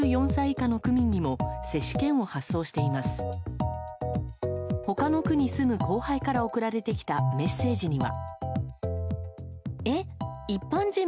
他の区に住む後輩から送られてきたメッセージには。